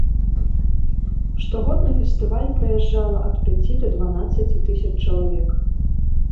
Штогод на фестываль прыязджала ад пяці да дванаццаці тысяч чалавек.